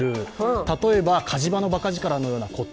例えば火事場の馬鹿力みたいなこと。